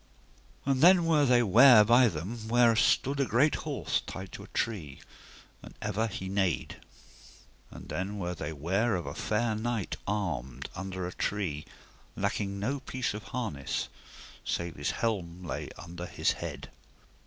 And then were they ware by them where stood a great horse tied to a tree, and ever he neighed. And then were they ware of a fair knight armed, under a tree, lacking no piece of harness, save his helm lay under his head.